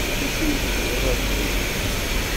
Acu tebɣiḍ ad d-tiniḍ?